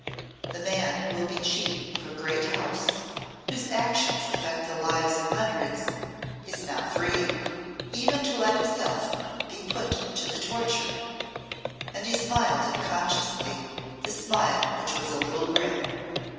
The man who will be chief of a great house whose actions affect the lives of hundreds is not free, even to let himself be put to the torture" and he smiled unconsciously the smile which was a little grim.